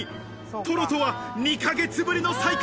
トロとは２ヶ月ぶりの再会。